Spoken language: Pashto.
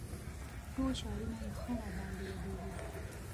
ټول شعرونه یې ښه راباندې لګيږي.